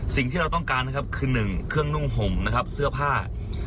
สิ่งที่เราต้องการคือ๑เครื่องนุ่งห่มเสื้อผ้า